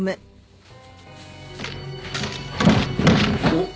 おっ。